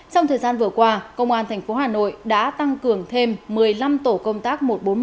trong thời gian vừa qua công an tp hà nội đã tăng cường thêm một mươi năm tổ công tác một trăm bốn mươi một